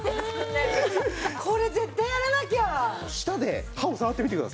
これ絶対やらなきゃ！